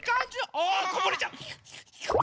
あこぼれちゃう。